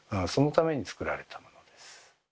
そのためにつくられたものです。